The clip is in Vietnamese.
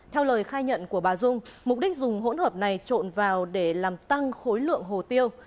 theo lời khai nhận của bà dung mục đích dùng hỗn hợp này trộn vào để làm tăng khối lượng hồ tiêu